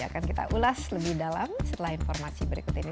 akan kita ulas lebih dalam setelah informasi berikut ini